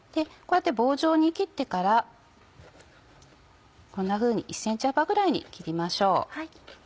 こうやって棒状に切ってからこんなふうに１ｃｍ幅ぐらいに切りましょう。